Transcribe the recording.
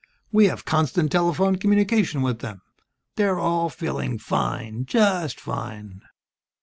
We have constant telephone communication with them. They're all feeling fine, just fine."